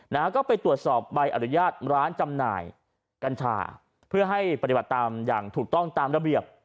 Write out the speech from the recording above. นะฮะก็ไปตรวจสอบใบอนุญาตร้านจำหน่ายกัญชาเพื่อให้ปฏิบัติตามอย่างถูกต้องตามระเบียบ